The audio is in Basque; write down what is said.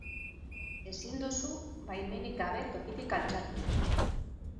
Ezin duzu baimenik gabe tokitik altxatu.